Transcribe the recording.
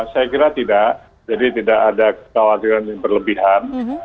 saya kira tidak jadi tidak ada kekhawatiran yang berlebihan